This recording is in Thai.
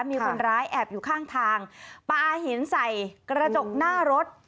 มีคนร้ายแอบอยู่ข้างทางปลาหินใส่กระจกหน้ารถ